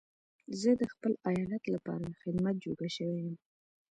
زه د خپل ايالت لپاره د خدمت جوګه شوی يم.